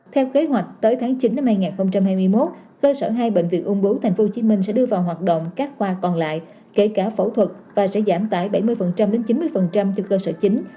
theo kế hoạch tới tháng chín năm hai nghìn hai mươi một cơ sở hai bệnh viện ung bú tp hcm sẽ đưa vào hoạt động các khoa còn lại kể cả phẫu thuật và sẽ giảm tải bảy mươi đến chín mươi cho cơ sở chính